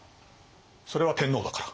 それは天皇だから。